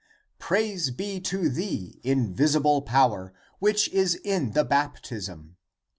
Praise be to thee, invisible power, which is in the baptism